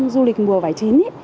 du lịch mùa vải chín